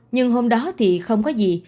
nhưng hôm đó thì không có gì